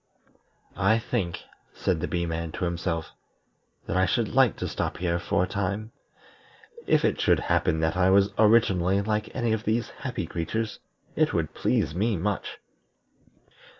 "I think," said the Bee man to himself, "that I should like to stop here for a time. If it should happen that I was originally like any of these happy creatures it would please me much."